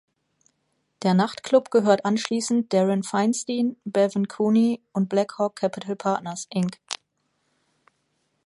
Der Nachtclub gehört anschließend Darin Feinstein, Bevan Cooney und Blackhawk Capital Partners, Inc.